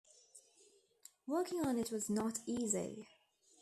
Working on it was not easy.